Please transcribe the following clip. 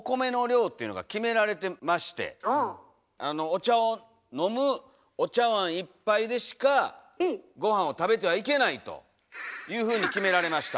ないんですがお茶を飲むお茶わんいっぱいでしかごはんを食べてはいけないというふうに決められました。